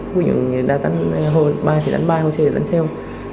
có những người đánh bài thì đánh bài không xe thì đánh xeo